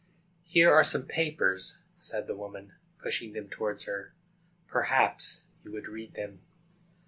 "Here are some papers," said the woman, pushing them towards her; "perhaps you would read them."